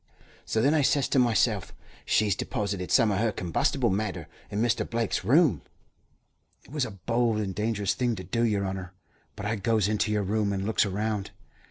So then I says to myself, 'She's deposited some o' her combustible matter in Mr. Blake's room.' "It was a bold and dangerous thing to do, yer honour, but I goes into your room and looks around.